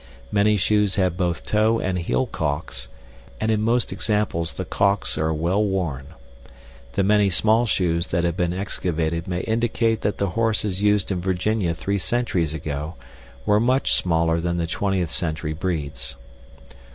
Many shoes have both toe and heel calks, and in most examples the calks are well worn. The many small shoes that have been excavated may indicate that the horses used in Virginia three centuries ago were much smaller than the 20th century breeds.